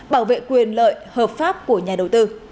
bảo vệ quyền lợi hợp pháp của nhà đầu tư